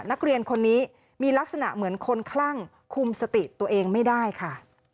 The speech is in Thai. นักเรียนคนนี้มีลักษณะเหมือนคนคลั่งคุมสติตัวเองไม่ได้ค่ะ